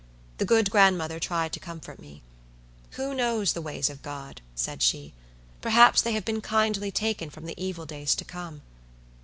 The good grandmother tried to comfort me. "Who knows the ways of God?" said she. "Perhaps they have been kindly taken from the evil days to come."